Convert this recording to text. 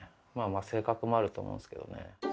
性格もあると思うんですけどね。